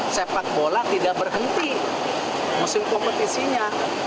sepak bola tidak berhenti musim kompetisinya